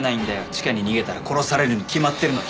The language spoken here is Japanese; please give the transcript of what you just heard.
地下に逃げたら殺されるに決まってるのに。